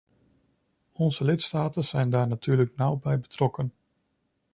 Onze lidstaten zijn daar natuurlijk nauw bij betrokken.